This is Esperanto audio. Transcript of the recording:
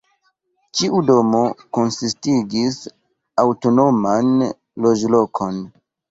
Ĉiu domo konsistigis aŭtonoman loĝlokon.